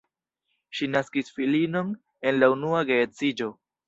Ŝi naskis filinon en la unua geedziĝo.